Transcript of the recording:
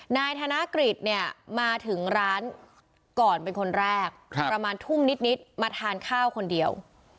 นายธนกฤษเนี่ยมาถึงร้านก่อนเป็นคนแรกประมาณทุ่มนิดมาทานข้าวคนเดียว